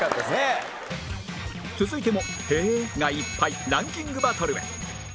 続いても「へぇ！」がいっぱいランキングバトルへ